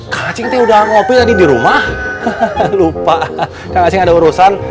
kacengnya udah ngopi tadi di rumah lupa kaceng ada urusan